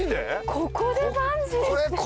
ここでバンジーって。